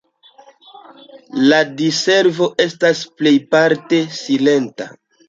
La diservo estas plejparte silenta.